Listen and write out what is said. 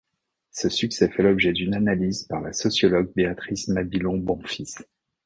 Ce succès fait l'objet d'une analyse par la sociologue Béatrice Mabilon-Bonfils.